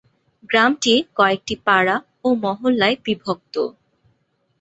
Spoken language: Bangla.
গ্রামটি কয়েকটি পাড়া ও মহল্লায় বিভক্ত।